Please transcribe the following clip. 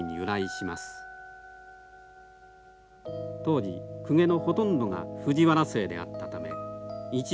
当時公家のほとんどが藤原姓であったため一条二条